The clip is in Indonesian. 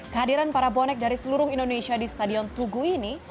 kehadiran para bonek dari seluruh indonesia di stadion tugu ini